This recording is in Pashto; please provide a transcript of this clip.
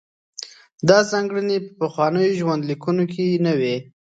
دا ځانګړنې په پخوانیو ژوندلیکونو کې نه وې.